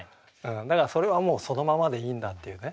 だからそれはそのままでいいんだっていうね。